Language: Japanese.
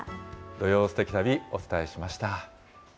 土曜すてき旅、お伝えしました。